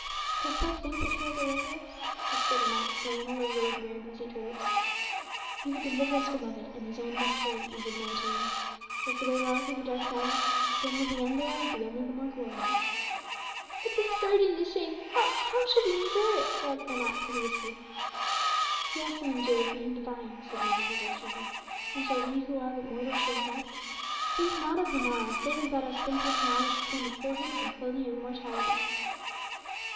"Dost think that He will deliver us?" whispered Anat, laying hold of the robe of Mary and pressing it to her lips. "He will deliver us, beloved, in his own best way," answered Mary tenderly. "If the way lie through the dark valley, then will the end thereof be only the more glorious." "But the scourging the shame, how how shall we endure it?" wailed Anat piteously. "He also endured being divine," said Mary, her voice trembling; "and shall we who are but mortal shrink back? Think not of the morrow, save as thou dost think that to morrow we shall stand before Him in clothing of immortality."